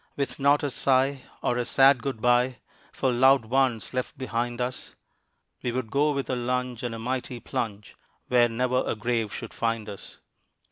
With not a sigh or a sad good by For loved ones left behind us, We would go with a lunge and a mighty plunge Where never a grave should find us.